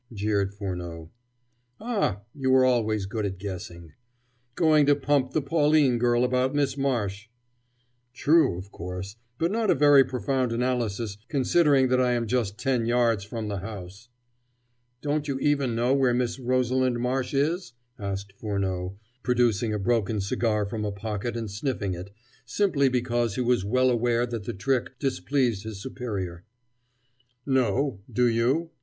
jeered Furneaux. "Ah, you were always good at guessing." "Going to pump the Pauline girl about Miss Marsh." "True, of course, but not a very profound analysis considering that I am just ten yards from the house." "Don't you even know where Miss Rosalind Marsh is?" asked Furneaux, producing a broken cigar from a pocket and sniffing it, simply because he was well aware that the trick displeased his superior. "No. Do you?"